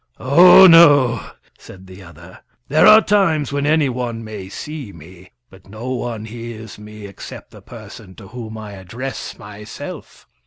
"Oh, no!" said the other: "there are times when anyone may see me, but no one hears me except the person to whom I address myself."